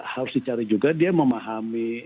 harus dicari juga dia memahami